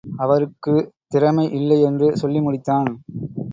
அவருக்குத் திறமை இல்லை —என்று சொல்லி முடித்தான்.